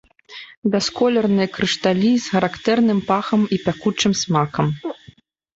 Бясколерныя крышталі з характэрным пахам і пякучым смакам.